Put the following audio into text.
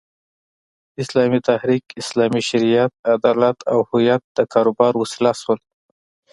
اسلامي تحریک، اسلامي شریعت، عدالت او هویت د کاروبار وسیله شول.